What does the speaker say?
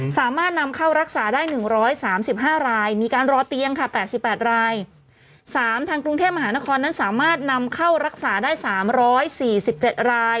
สามารถนำเข้ารักษาได้๑๓๕รายมีการรอเตียงค่ะ๘๘ราย๓ทางกรุงเทพมหานครนั้นสามารถนำเข้ารักษาได้๓๔๗ราย